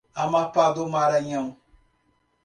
Amapá do Maranhão